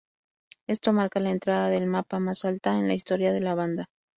Esto marca la entrada del mapa más alta en la historia de la banda.